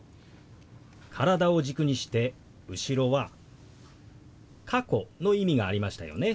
体を軸にして後ろは「過去」の意味がありましたよね。